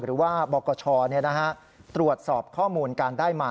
หรือว่าบกชตรวจสอบข้อมูลการได้มา